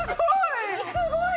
すごい！